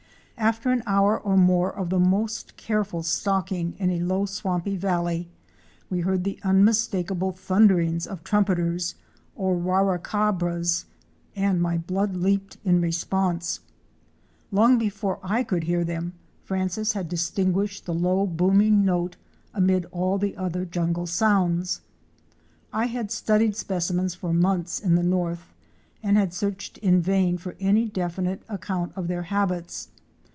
After an hour or more of the most careful stalking in a low swampy valley, we heard the unmistakable thunderings of Trumpeters * or Warracabras, and my blood leaped in response. Long before I could hear them, Francis had JUNGLE LIFE AT AREMU. 331 distinguished the low booming note amid all the other jungle sounds. I had studied specimens for months in the north and had searched in vain for any definite account of their habits.